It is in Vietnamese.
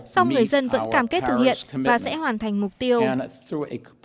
song người dân vẫn cam kết thực hiện và sẽ hoàn thành mục tiêu